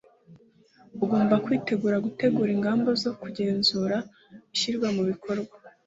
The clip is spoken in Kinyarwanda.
Ugomba kwitegura gutegura ingamba zo kugenzura ishyirwa mu bikorwa